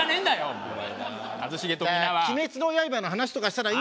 お前。